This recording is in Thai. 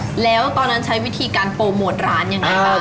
แล้วตอนนั้นใช้วิธีการโปรโมทร้านยังไงบ้าง